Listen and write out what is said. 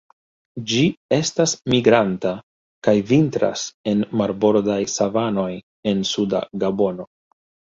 Ĝi estas migranta, kaj vintras en marbordaj savanoj en suda Gabono.